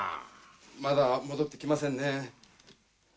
まだ戻ってきませんね。